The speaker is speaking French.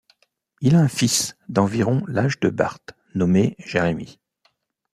Il a un fils d'environ l'âge de Bart, nommé Jérémy.